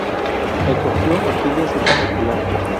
Recogió orquídeas en particular.